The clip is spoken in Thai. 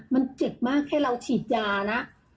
มันเจ็บมากแค่เราฉีดยานะ